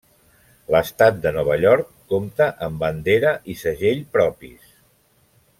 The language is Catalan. L'Estat de Nova York compte amb bandera i segell propis.